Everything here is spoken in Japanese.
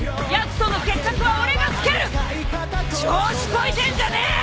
調子こいてんじゃねえ！